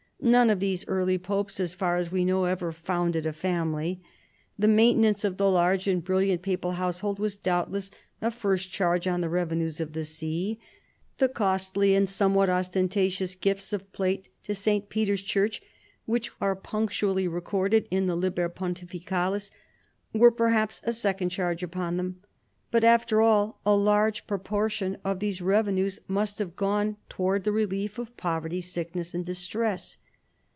None of these early popes, as far as we know, ever " founded a family." The maintenance of the large and brilliant papal household was doubt less a first charge on the revenues of the see. The costly and somewhat ostentatious gifts of plate ^o St. Peter's Church, which are punctually re corded in the Liber Pontificalis, were perhaps a second charge upon themo But after all, a large proportion of these revenues must have gone to wards the relief of poverty, sickness, and distress.